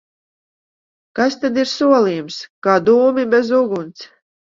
Kas tad ir solījums? Kā dūmi bez uguns!